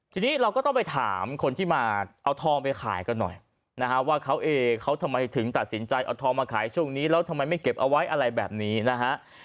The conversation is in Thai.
ทีนี้เราก็ต้องไปถามคนที่มาเอาทองไปขายกันหน่อยนะฮะว่าเขาเอ๊เขาทำไมถึงตัดสินใจเอาทองมาขายช่วงนี้แล้วทำไมไม่เก็บเอาไว้อะไรแบบนี้นะฮะ